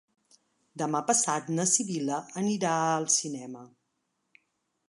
Demà passat na Sibil·la anirà al cinema.